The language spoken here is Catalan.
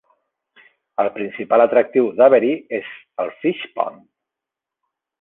El principal atractiu d'Avery és el Fish Pond.